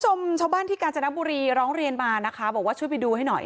ชาวบ้านที่กาญจนบุรีร้องเรียนมานะคะบอกว่าช่วยไปดูให้หน่อย